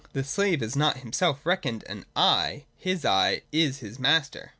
The slave is not himself reckoned an ' I ';— his ' I ' is his master.